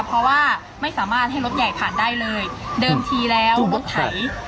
เพราะว่าไม่สามารถให้รถใหญ่ผ่านได้เลยเดิมทีแล้วรถไถ